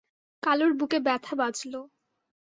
কালুর বুকে ব্যথা বাজল।